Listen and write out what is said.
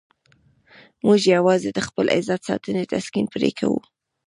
موږ یوازې د خپل عزت ساتنې تسکین پرې کوو.